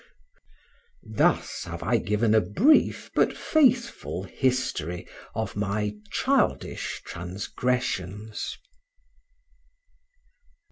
Thus have I given a brief, but faithful, history of my childish transgressions.